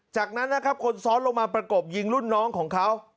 จากนั้นนะครับคนซ้อนลงมาประกบยิงรุ่นน้องของเขา